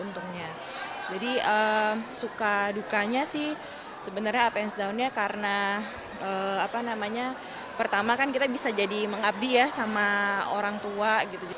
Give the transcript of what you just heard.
tahunnya karena pertama kan kita bisa jadi mengabdi ya sama orang tua gitu